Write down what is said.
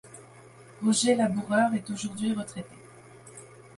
Roger Laboureur est aujourd'hui retraité.